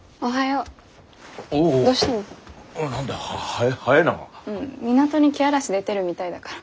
うん港にけあらし出てるみたいだから。